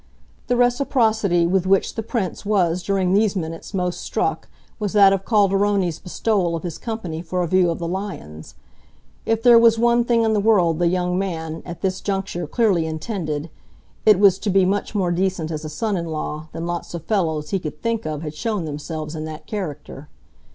The reciprocity with which the Prince was during these minutes most struck was that of Calderoni's bestowal of his company for a view of the lions. If there was one thing in the world the young man, at this juncture, clearly intended, it was to be much more decent as a son in law than lots of fellows he could think of had shown themselves in that character.